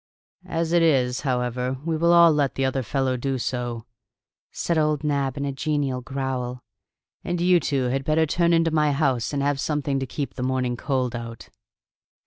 "As it is, however, we will all let the other fellow do so," said old Nab in a genial growl. "And you two had better turn into my house and have something to keep the morning cold out."